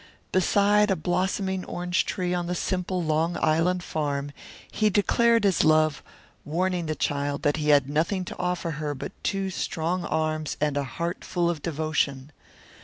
Beside a blossoming orange tree on the simple Long Island farm he declared his love, warning the child that he had nothing to offer her but two strong arms and a heart full of devotion.